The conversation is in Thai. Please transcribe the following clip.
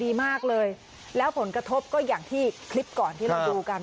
ดีมากเลยแล้วผลกระทบก็อย่างที่คลิปก่อนที่เราดูกัน